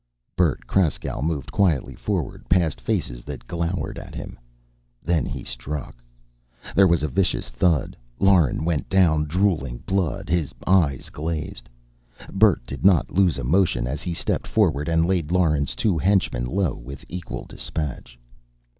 Bert Kraskow moved quietly forward, past faces that glowered at him. Then he struck. There was a vicious thud. Lauren went down, drooling blood, his eyes glazed. Bert did not lose a motion as he stepped forward, and laid Lauren's two henchmen low with equal dispatch.